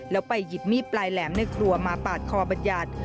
แล้วไปหยิบมีดปลายแหลมในครัวมาปาดคอบัญญัติ